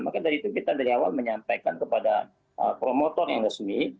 maka dari itu kita dari awal menyampaikan kepada promotor yang resmi